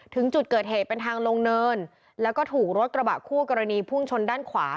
ถึงจุดเกิดเหตุเป็นทางลงเนินแล้วก็ถูกรถกระบะคู่กรณีพุ่งชนด้านขวา